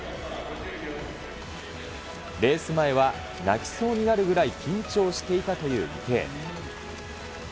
レース前は泣きそうになるぐらい緊張していたという池江。